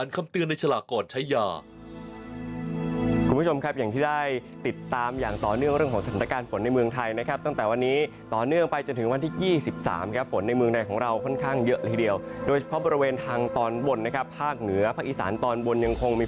คุณผู้ชมครับอย่างที่ได้ติดตามอย่างต่อเนื่องเรื่องของสถานการณ์ฝนในเมืองไทยนะครับตั้งแต่วันนี้ต่อเนื่องไปจนถึงวันที่๒๓ครับฝนในเมืองในของเราค่อนข้างเยอะเลยทีเดียวโดยเฉพาะบริเวณทางตอนบนนะครับภาคเหนือภาคอีสานตอนบนยังคงมี